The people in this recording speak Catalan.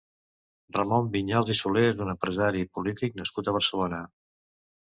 Ramon Viñals i Soler és un empresari i polític nascut a Barcelona.